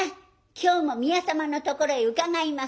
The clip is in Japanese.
今日も宮様のところへ伺います」。